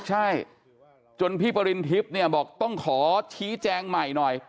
ใช่จนพี่ปริณทิพย์เนี่ยบอกต้องขอชี้แจงใหม่หน่อย